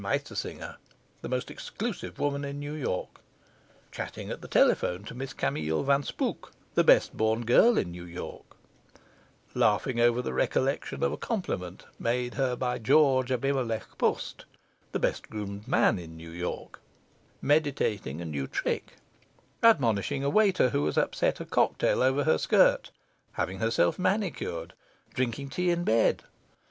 Meistersinger, the most exclusive woman in New York; chatting at the telephone to Miss Camille Van Spook, the best born girl in New York; laughing over the recollection of a compliment made her by George Abimelech Post, the best groomed man in New York; meditating a new trick; admonishing a waiter who has upset a cocktail over her skirt; having herself manicured; drinking tea in bed.